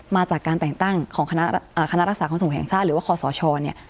มาจากการแต่งตั้งของคณะรักษาความสูงแห่งชาติหรือว่าคอสชเนี่ย